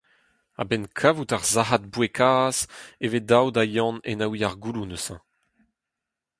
A-benn kavout ar sac’had boued-kazh e vez dav da Yann enaouiñ ar gouloù neuze.